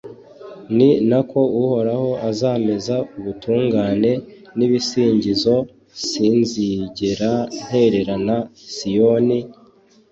ni na ko uhoraho azameza ubutungane n’ibisingizo, sinzigera ntererana siyoni,